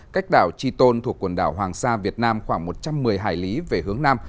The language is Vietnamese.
cách đảo chi tôn thuộc quần đảo hoàng sa việt nam khoảng một trăm một mươi hải lý về hướng nam